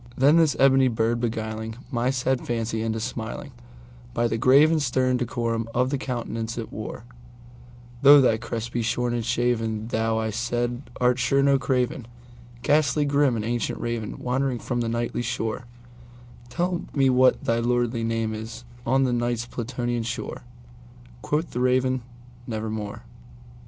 Then this ebony bird beguiling my sad fancy into smilingBy the grave and stern decorum of the countenance it wore,—"Though thy crest be shorn and shaven, thou," I said, "art sure no craven, Ghastly grim and ancient Raven wandering from the Nightly shore:Tell me what thy lordly name is on the Night's Plutonian shore!"Quoth the Raven, "Nevermore."